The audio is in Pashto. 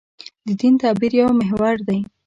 د دین تعبیر یو محور دی.